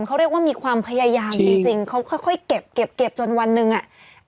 เขาเรียกว่ามีความพยายามจริงจริงเค้าค่อยค่อยเก็บจนวันนึงอ่ะ